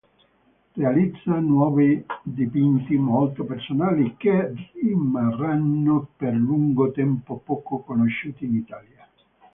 Realizza nuovi dipinti molto personali, che rimarranno per lungo tempo poco conosciuti in Italia.